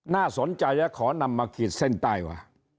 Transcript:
น่าสนใจและขอนำมาขีดเส้นใต้ว่า